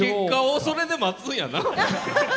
結果、それで待つんやな？